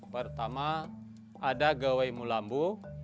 pertama ada gawai mulambu